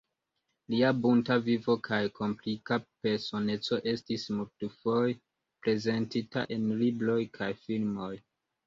Lia bunta vivo kaj komplika personeco estis multfoje prezentita en libroj kaj filmoj.